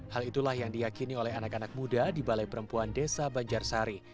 hal itulah yang diakini oleh anak anak muda di balai perempuan desa banjarsari